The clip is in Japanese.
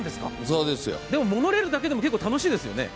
モノレールだけでも結構楽しいですよね。